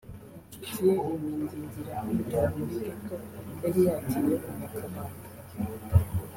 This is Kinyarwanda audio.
inshuti ye imwingingira kwinjira muri “ghetto” yari yatiwe mu Nyakabanda